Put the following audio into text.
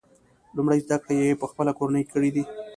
لومړۍ زده کړې یې په خپله کورنۍ کې کړي دي.